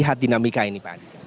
lihat dinamika ini pak andika